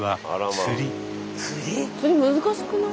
釣り難しくない？